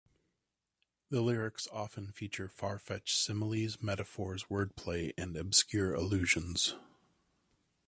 The lyrics often feature far-fetched similes, metaphors, word play and obscure allusions.